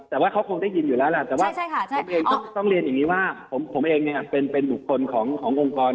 แต่ว่าเขาคงได้ยินอยู่แล้วแหละแต่ว่าผมเองต้องเรียนอย่างนี้ว่าผมเองเนี่ยเป็นบุคคลขององค์กร